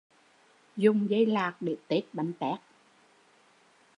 Dùng dây lạt để tết bánh tét